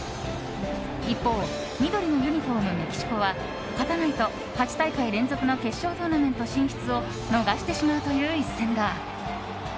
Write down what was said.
一方、緑のユニホームメキシコは勝たないと、８大会連続の決勝トーナメント進出を逃してしまうという一戦だ。